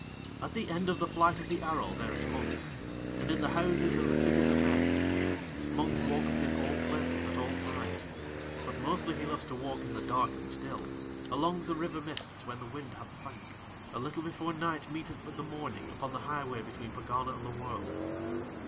At the end of the flight of the arrow there is Mung, and in the houses and the cities of Men. Mung walketh in all places at all times. But mostly he loves to walk in the dark and still, along the river mists when the wind hath sank, a little before night meeteth with the morning upon the highway between Pegana and the Worlds.